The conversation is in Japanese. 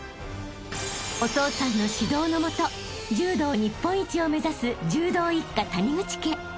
［お父さんの指導の下柔道日本一を目指す柔道一家谷口家］